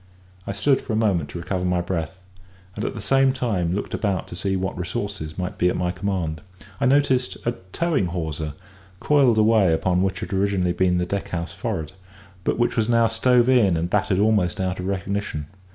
I stood for a moment to recover my breath; and at the same time looked about to see what resources might be at my command. I noticed a towing hawser coiled away upon what had originally been the deckhouse forward, but which was now stove in and battered almost out of recognition.